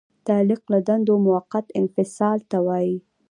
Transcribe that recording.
تعلیق له دندې موقت انفصال ته وایي.